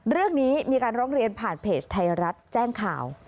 เรื่องนี้มีการร้องเรียนผ่านเพจไทยรัฐแจ้งข่าว